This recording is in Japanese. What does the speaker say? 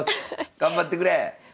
頑張ってくれ！